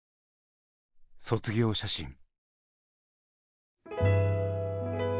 「卒業写真」。